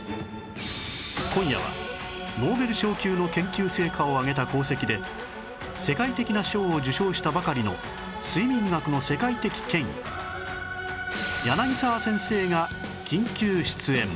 今夜はノーベル賞級の研究成果を上げた功績で世界的な賞を受賞したばかりの睡眠学の世界的権威柳沢先生が緊急出演